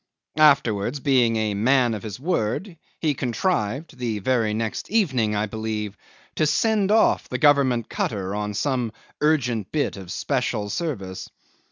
Afterwards, being a man of his word, he contrived (the very next evening, I believe) to send off the Government cutter on some urgent bit of special service.